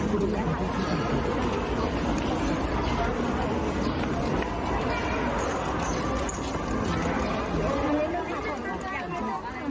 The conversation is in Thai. อีกคำถามหนึ่งนะฮะที่นักข่าวตะโกนถามเกี่ยวกับเรื่องคดี